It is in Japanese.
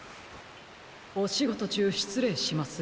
おしごとちゅうしつれいします。